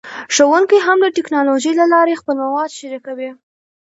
ښوونکي هم د ټیکنالوژۍ له لارې خپل مواد شریکوي.